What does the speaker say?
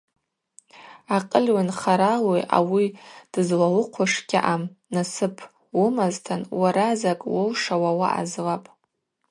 Акъыльли нхарали ауи дызлауыхъвуш гьаъам, насып уымузтын уара закӏ уылшауа уаъазлапӏ.